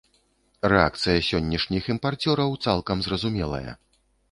Рэакцыя сённяшніх імпарцёраў цалкам зразумелая.